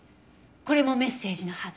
これもメッセージのはず。